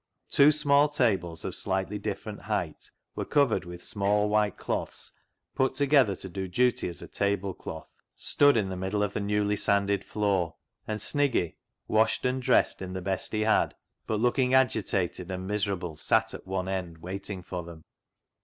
Two small tables of slightly different height, and covered with small white cloths put to " BULLET" PIE 211 gather to do duty as a tablecloth, stood in the middle of the newly sanded floor, and Sniggy, washed and dressed in the best he had, but looking agitated and miserable, sat at one end waiting for them.